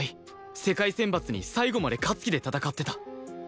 世界選抜に最後まで勝つ気で戦ってた